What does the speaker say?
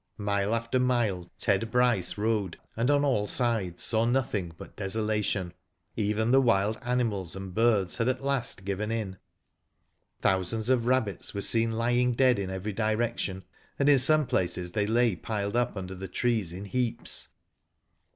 Mile after mile Ted Bryce rode, and on all ^ides saw nothing but desolation. Even the wild animals and birds had at last given in. Thousands of rabbits were seen lying Digitized byGoogk 1 84 ^y^O DID IT? dead in every direction, and in some places they lay piled up under the trees in heaps.